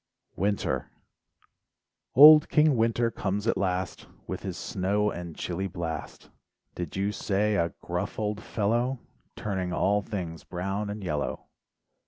WINTER Old King Winter comes at last With his snow and chilly blast, Did you say a gruff old fellow, Turning all things brown and yellow.